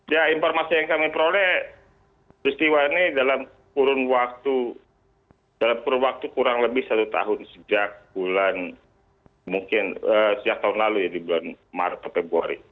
ya informasi yang kami peroleh peristiwa ini dalam kurun waktu dalam waktu kurang lebih satu tahun sejak bulan mungkin sejak tahun lalu ya di bulan maret atau februari